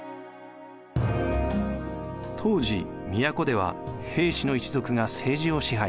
当時都では平氏の一族が政治を支配。